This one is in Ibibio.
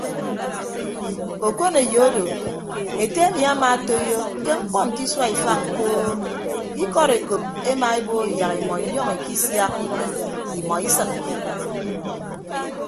Okoneyo odo ete emi amaatoiyo ke mkpọ nte isua ifañ koo ke ikọd ekop emaebo yak imọ inyọñ ikisiak idʌñ imọ isịn.